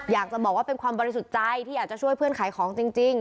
อยากจะบอกว่าเป็นความบริสุทธิ์ใจที่อยากจะช่วยเพื่อนขายของจริง